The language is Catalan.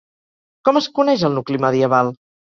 Com es coneix el nucli medieval?